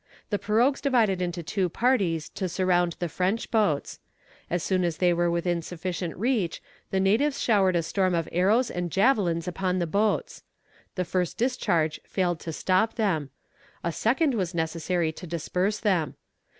The pirogues divided into two parties to surround the French boats. As soon as they were within sufficient reach, the natives showered a storm of arrows and javelins upon the boats. The first discharge failed to stop them. A second was necessary to disperse them.